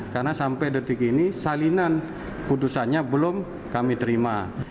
karena sampai detik ini salinan putusannya belum kami terima